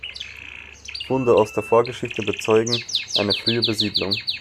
Funde aus der Vorgeschichte bezeugen eine frühe Besiedlung.